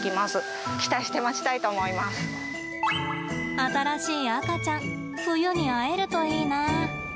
新しい赤ちゃん冬に会えるといいな。